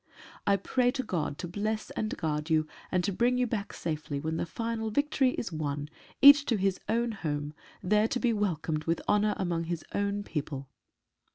I pray to God to bless and guard you and to bring you back safely, when the final victory is won, each to his own home — there to be welcomed with honor among his own people.